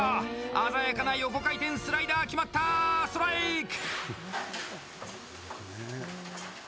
鮮やかな横回転スライダー決まったストライク！